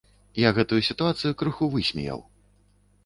Я гэтую сітуацыю крыху высмеяў.